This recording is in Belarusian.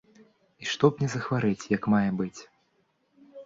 І што б мне захварэць як мае быць.